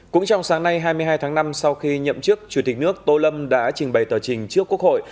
cũng trong sáng nay hai mươi hai tháng năm sau khi nhậm chức chủ tịch nước tô lâm đã trình bày tờ trình trước quốc hội